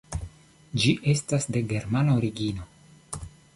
Ĝi estas de germana origino.